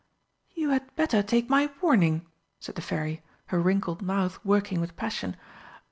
"You had better take my warning," said the Fairy, her wrinkled mouth working with passion.